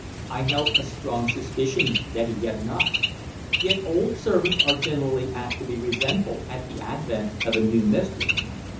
I held a strong suspicion that he had not. Yet old servants are generally apt to be resentful at the advent of a new mistress.